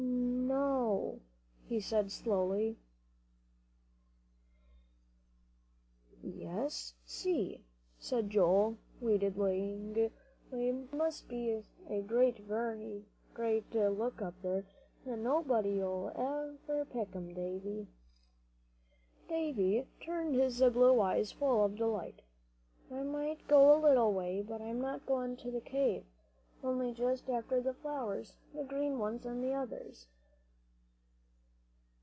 "N no," he said slowly. "You see," said Joel, wheedlingly, "there must be such a very great lot up there, and nobody to pick 'em, Dave." Davie turned his blue eyes full of delight: "I might go a little way; but I'm not going to the cave; only just after the flowers the green ones and the others."